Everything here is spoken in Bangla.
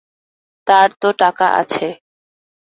তার তো টাকা আছে।